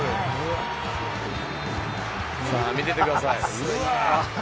さあ見ててください。